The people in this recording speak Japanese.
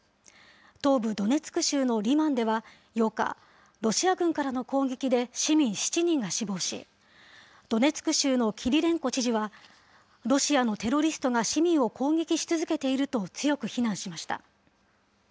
東部ドネツク州のリマンでは８日、ロシア軍からの攻撃で市民７人が死亡し、ドネツク州のキリレンコ知事は、ロシアのテロリストが市民を攻撃し続けていると強く非難しました。